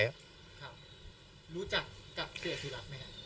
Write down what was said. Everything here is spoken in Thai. ครับรู้จักกับเกลียสุดยอดไม่ครับ